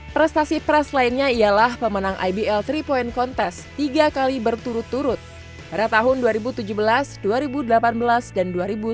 prestasi pras lainnya ialah pemenang ibl tiga point contest tiga kali berturut turut pada tahun dua ribu tujuh belas dua ribu delapan belas dan dua ribu sembilan belas